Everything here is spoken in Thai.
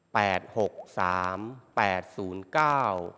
หกสามแปดศูนย์เก้า